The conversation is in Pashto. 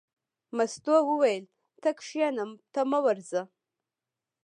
مستو وویل: ته کېنه ته مه ورځه.